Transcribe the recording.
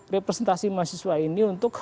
representasi mahasiswa ini untuk